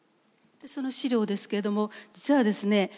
でその飼料ですけれども実はですね